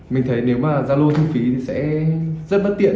mình thấy nếu mà zalo thu phí thì sẽ rất bất tiện